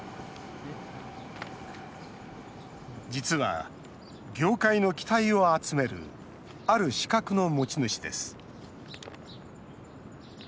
実は業界の期待を集めるある資格の持ち主です